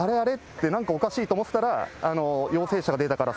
ってなんかおかしいって思ったら、陽性者が出たから、